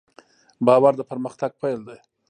باور د پرمختګ پیل دی.